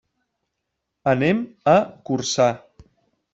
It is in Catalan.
Anem a Corçà.